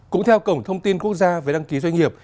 cũng theo cổng thông tin quốc gia về đăng ký doanh nghiệp